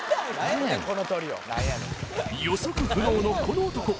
予測不能のこの男